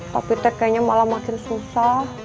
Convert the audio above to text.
tapi teh kayaknya malah makin susah